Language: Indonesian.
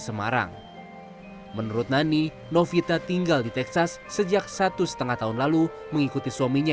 semarang menurut nani novita tinggal di texas sejak satu setengah tahun lalu mengikuti suaminya